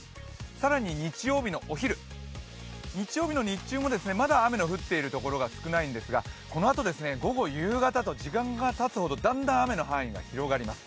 更に日曜日のお昼、日曜日の日中もまた雨の降っているところが少ないんですが、このあと、午後、夕方と時間がたつほどだんだん雨の範囲が広がります。